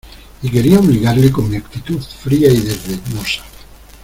y quería obligarle con mi actitud fría y desdeñosa.